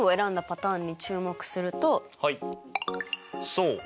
そう。